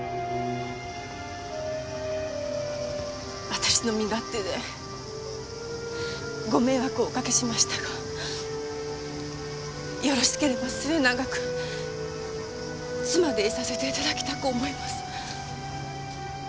私の身勝手でご迷惑をおかけしましたがよろしければ末永く妻でいさせて頂きたく思います。